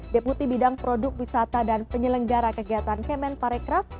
deputi bidang produk wisata dan penyelenggara kegiatan kemen parekraf